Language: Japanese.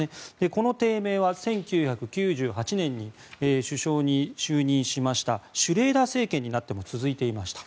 この低迷は１９９８年に首相に就任しましたシュレーダー政権になっても続いていました。